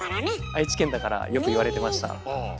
愛知県だからよく言われてました。